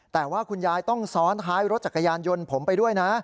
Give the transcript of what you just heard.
แต่ว่าคุณยายต้องซ้อนท้ายรถจักรยานยนต์ผมไปด้วยนะ